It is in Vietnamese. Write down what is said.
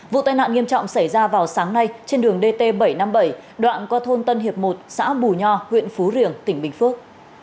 vụ tai nạn nghiêm trọng xảy ra vào sáng nay trên đường dt bảy trăm năm mươi bảy đoạn qua thôn tân hiệp một xã bù nho huyện phú riềng tỉnh bình phước